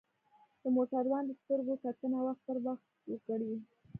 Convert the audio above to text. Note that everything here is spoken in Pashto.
د موټروان د سترګو کتنه وخت پر وخت وکړئ.